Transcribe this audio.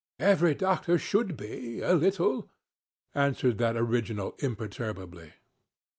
'Every doctor should be a little,' answered that original, imperturbably.